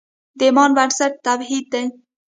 د ایمان بنسټ توحید دی.